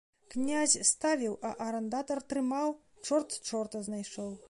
Князь ставіў, а арандатар трымаў, чорт чорта знайшоў.